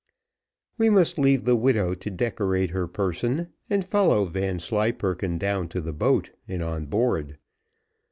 We must leave the widow to decorate her person, and follow Vanslyperken down to the boat, and on board.